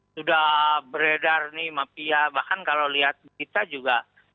sudah beredar nih mafia bahkan kalau lihat kita juga